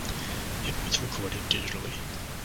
It was recorded digitally.